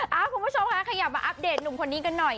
คุณผู้ชมค่ะขยับมาอัปเดตหนุ่มคนนี้กันหน่อย